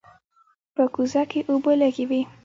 په کوزه کې اوبه لږې وې.